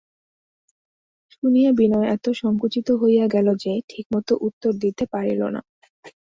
শুনিয়া বিনয় এত সংকুচিত হইয়া গেল যে ঠিকমত উত্তর দিতে পারিল না।